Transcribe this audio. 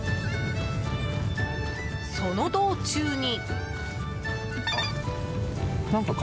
その道中に。